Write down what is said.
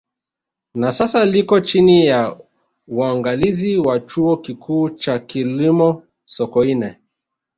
Na sasa liko chini ya uangalizi wa Chuo Kikuu cha Kilimo Sokoine